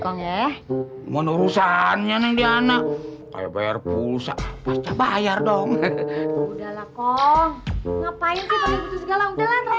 kong eh mau urusannya neng diana bayar pulsa bayar dong udah lah kong ngapain